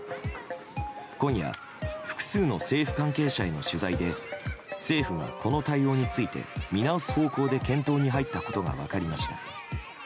今夜、複数の政府関係者への取材で政府がこの対応について見直す方向で検討に入ったことが分かりました。